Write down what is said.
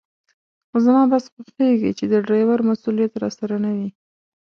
خو زما بس خوښېږي چې د ډریور مسوولیت راسره نه وي.